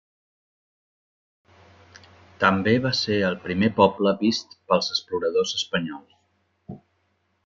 També va ser el primer poble vist pels exploradors espanyols.